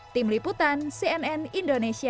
tim liputan cnn indonesia